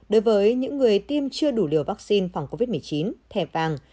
đối với những người tiêm chưa đủ liều vaccine phòng covid một mươi chín thẻ vàng